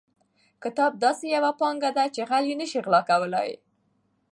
کتاب داسې یوه پانګه ده چې غل یې نشي غلا کولی.